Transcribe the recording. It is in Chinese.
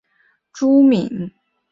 董事会主席为朱敏。